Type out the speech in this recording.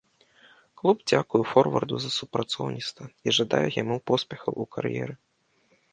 Клуб дзякуе форварду за супрацоўніцтва і жадае яму поспехаў у кар'еры.